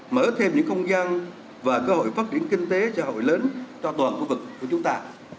mở thêm những không gian và cơ hội phát triển kinh tế xã hội lớn cho toàn khu vực của chúng ta